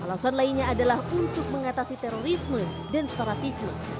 alasan lainnya adalah untuk mengatasi terorisme dan separatisme